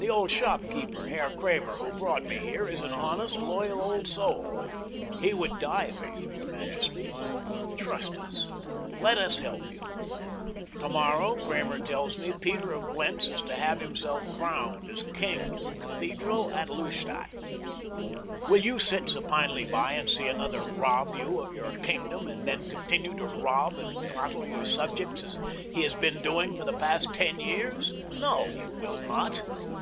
The old shopkeeper, Herr Kramer, who brought me here, is an honest, loyal old soul. He would die for you, your majesty. Trust us. Let us help you. Tomorrow, Kramer tells me, Peter of Blentz is to have himself crowned as king in the cathedral at Lustadt. "Will you sit supinely by and see another rob you of your kingdom, and then continue to rob and throttle your subjects as he has been doing for the past ten years? No, you will not.